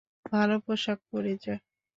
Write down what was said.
ভালো পোশাক পরে যা।